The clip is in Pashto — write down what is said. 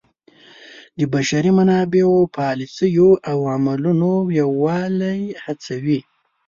د بشري منابعو پالیسیو او عملونو یووالی هڅوي.